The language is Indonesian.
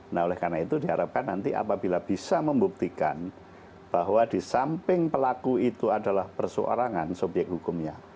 nah oleh karena itu diharapkan nanti apabila bisa membuktikan bahwa di samping pelaku itu adalah perseorangan subyek hukumnya